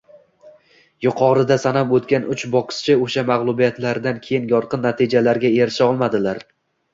Yuqorida sanab oʻtgan uch bokschi oʻsha magʻlubiyatlaridan keyin yorqin natijalarga erisha olmadilar.